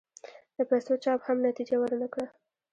د پیسو چاپ هم نتیجه ور نه کړه.